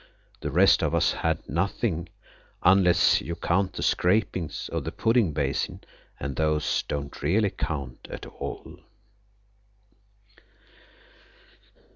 The rest of us had nothing, unless you count the scrapings of the pudding basin, and those don't really count at all.